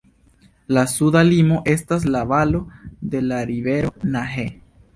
La suda limo estas la valo dela rivero Nahe.